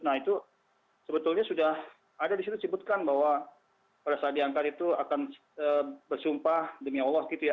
nah itu sebetulnya sudah ada di situ disebutkan bahwa pada saat diangkat itu akan bersumpah demi allah gitu ya